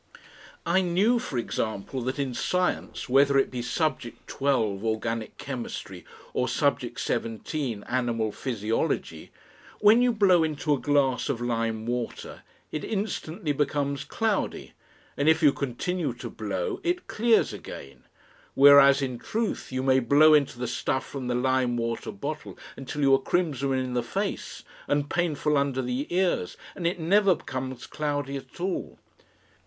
I knew, for example, that in science, whether it be subject XII., Organic Chemistry, or subject XVII., Animal Physiology, when you blow into a glass of lime water it instantly becomes cloudy, and if you continue to blow it clears again, whereas in truth you may blow into the stuff from the lime water bottle until you are crimson in the face and painful under the ears, and it never becomes cloudy at all.